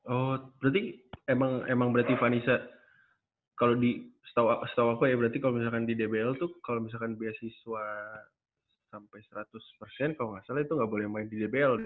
oh berarti emang berarti vanisa kalo di setau aku ya berarti kalo misalkan di dbl tuh kalo misalkan beasiswa sampai seratus kalo gak salah itu gak boleh main di dbl deh